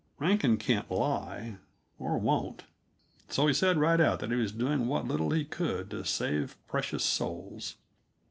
Rankin can't lie or won't so he said right out that he was doing what little he could to save precious souls.